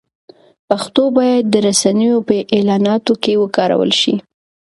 پښتو باید د رسنیو په اعلاناتو کې وکارول شي.